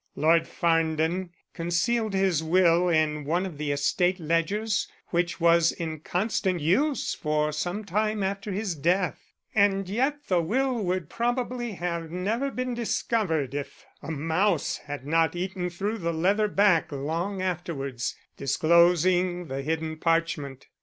Lord Farndon concealed his will in one of the estate ledgers which was in constant use for some time after his death, and yet the will would probably have never been discovered if a mouse had not eaten through the leather back long afterwards, disclosing the hidden parchment.